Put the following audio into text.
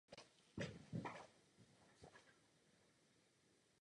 Sestava kapely se mnohokrát měnila.